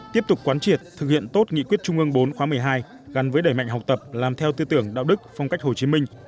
tiếp tục quán triệt thực hiện tốt nghị quyết trung ương bốn khóa một mươi hai gắn với đẩy mạnh học tập làm theo tư tưởng đạo đức phong cách hồ chí minh